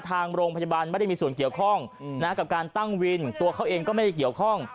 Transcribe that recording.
ทางโรงพยาบาลไม่ได้มีส่วนเกี่ยวข้องกับการตั้งวินตัวเขาเองก็ไม่ได้เกี่ยวข้อง